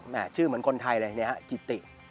แหม่ชื่อเหมือนคนไทยจิติ